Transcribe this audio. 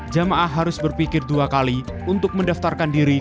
jamaah harus berpikir dua kali untuk mendaftarkan diri